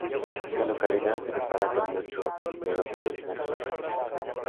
La localidad se prepara con mucho esmero para esta celebración.